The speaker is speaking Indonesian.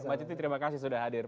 mbak citi terima kasih sudah hadir